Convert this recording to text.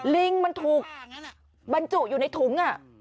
ลิงมันถูกบรรจุอยู่ในถุง